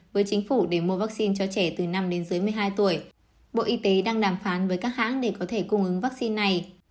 với chính phủ để mua vaccine cho trẻ từ năm đến dưới một mươi hai tuổi bộ y tế đang đàm phán với các hãng để có thể cung ứng vaccine này